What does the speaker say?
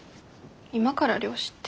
今から漁師って。